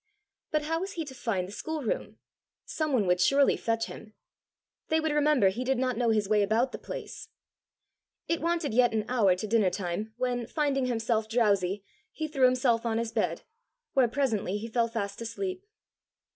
But how was he to find the schoolroom! Some one would surely fetch him! They would remember he did not know his way about the place! It wanted yet an hour to dinner time when, finding himself drowsy, he threw himself on his bed, where presently he fell fast asleep.